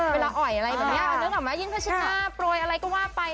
เวลาออยอะไรแบบเนี่ยเราก็นึกออกมายื่นผ้าชิดหน้าโปรยอะไรก็ว่าไป